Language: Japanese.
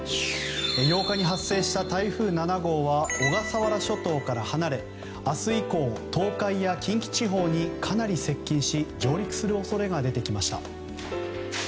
８日に発生した台風７号は小笠原諸島から離れ明日以降、東海や近畿地方にかなり接近し上陸する恐れが出てきました。